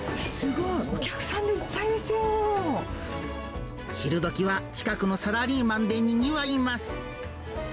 すごい！昼どきは近くのサラリーマンでにぎわいます。